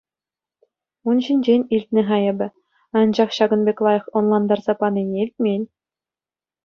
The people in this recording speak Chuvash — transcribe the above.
Ун ҫинчен илтнӗ-ха эпӗ Анчах ҫакӑн пек лайӑх ӑнлантарса панине илтмен.